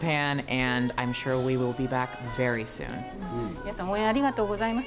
皆さん、応援ありがとうございます。